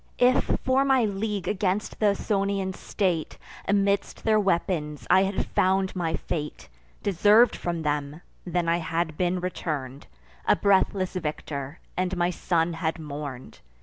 If, for my league against th' Ausonian state, Amidst their weapons I had found my fate, (Deserv'd from them,) then I had been return'd A breathless victor, and my son had mourn'd.